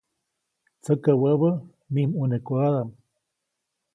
Tsäkä wäbä mij ʼmunekodadaʼm.